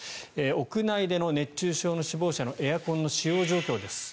屋内での熱中症の死亡者のエアコンの使用状況です。